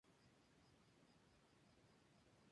Tenerife por cuestiones personales.